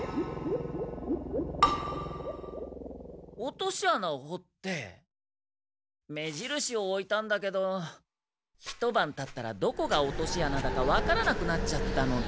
おとし穴をほって目じるしをおいたんだけど一晩たったらどこがおとし穴だかわからなくなっちゃったので。